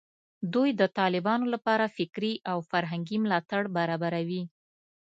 دوی د طالبانو لپاره فکري او فرهنګي ملاتړ برابروي